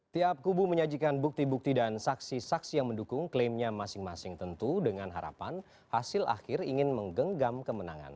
tiap kubu menyajikan bukti bukti dan saksi saksi yang mendukung klaimnya masing masing tentu dengan harapan hasil akhir ingin menggenggam kemenangan